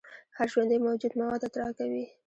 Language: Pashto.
هر ژوندی موجود مواد اطراح کوي